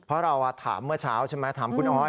เพราะเราถามเมื่อเช้าใช่ไหมถามคุณออย